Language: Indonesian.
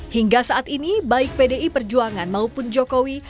hingga saat ini baik pdi perjuangan maupun jokowi